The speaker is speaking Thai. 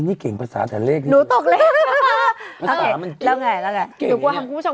๕๐๐๐๐นี่เก่งภาษาแต่เลขนี่หนูตกเลข